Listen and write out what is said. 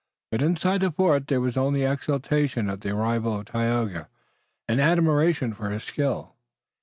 But inside the fort there was only exultation at the arrival of Tayoga and admiration for his skill.